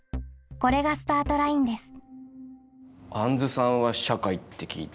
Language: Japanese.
これがスタートラインです。